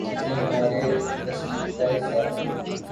اب تک تو یہ چیزیں ہمارے نصیب کا حصہ تھیں۔